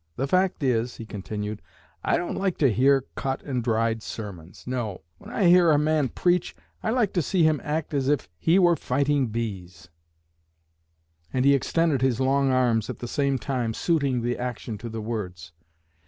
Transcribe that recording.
The fact is,' he continued, 'I don't like to hear cut and dried sermons. No when I hear a man preach, I like to see him act as if he were fighting bees!' And he extended his long arms, at the same time suiting the action to the words.